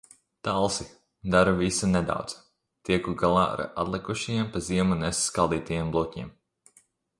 Talsi. Daru visu nedaudz – tieku galā ar atlikušajiem pa ziemu nesaskaldītajiem bluķiem.